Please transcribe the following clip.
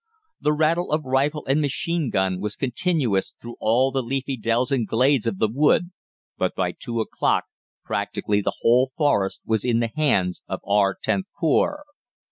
The rattle of rifle and machine gun was continuous through all the leafy dells and glades of the wood, but by two o'clock practically the whole Forest was in the hands of our Xth Corps.